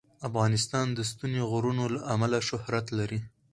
افغانستان د ستوني غرونه له امله شهرت لري.